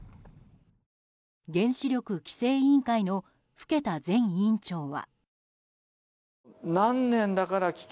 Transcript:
原子力規制委員会の更田前委員長は。